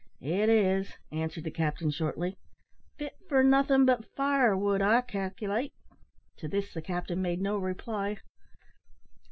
"It is," answered the captain, shortly. "Fit for nothin' but firewood, I calculate." To this the captain made no reply.